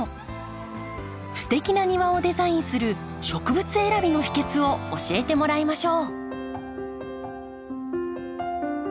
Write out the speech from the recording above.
すてきな庭をデザインする植物選びの秘訣を教えてもらいましょう。